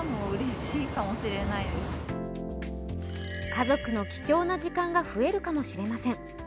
家族の貴重な時間が増えるかもしれません。